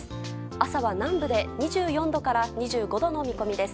朝は南部で２４度から２５度の見込みです。